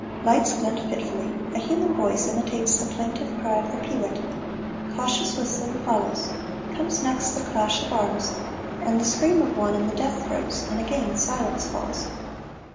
Lights glint fitfully, a human voice imitates the plaintive cry of the peewit, cautious whistling follows, comes next the clash of arms, and the scream of one in the death throes, and again silence falls.